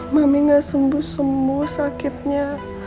mami nggak sembuh sembuh sakitnya